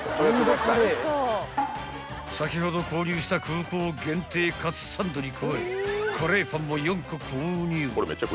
［先ほど購入した空港限定かつサンドに加えカレーパンも４個購入］